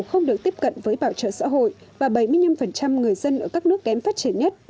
không được tiếp cận với bảo trợ xã hội và bảy mươi năm người dân ở các nước kém phát triển nhất